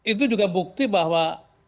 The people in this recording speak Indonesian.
itu juga bukti bahwa